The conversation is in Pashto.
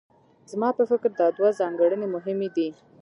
زما په فکر دا دوه ځانګړنې مهمې دي.